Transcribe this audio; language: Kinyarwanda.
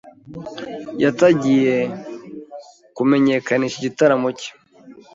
yatagiye kumenyekanisha igitaramo cye